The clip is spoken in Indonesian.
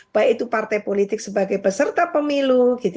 baik itu partai politik sebagai peserta pemilu